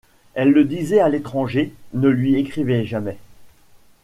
Elle le disait à l’étranger, ne lui écrivait jamais.